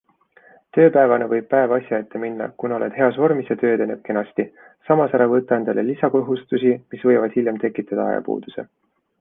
Tööpäevana võib päev asja ette minna, kuna oled heas vormis ja töö edeneb kenasti, samas ära võta endale lisakohustusi, mis võivad hiljem tekitada ajapuuduse.